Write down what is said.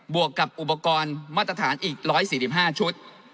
วกกับอุปกรณ์มาตรฐานอีก๑๔๕ชุด